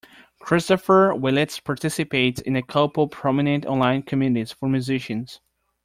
Christopher Willits participates in a couple prominent online communities for musicians.